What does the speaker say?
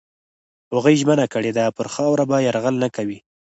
هغوی ژمنه کړې ده پر خاوره به یرغل نه کوي.